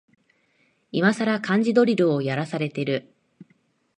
いまさら漢字ドリルをやらされてる